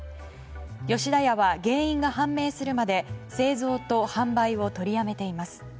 吉田屋は原因が判明するまで製造と販売を取りやめています。